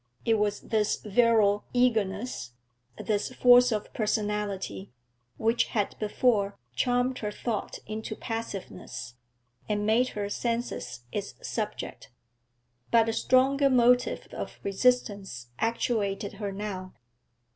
It was this virile eagerness, this force of personality, which had before charmed her thought into passiveness, and made her senses its subject; but a stronger motive of resistance actuated her now.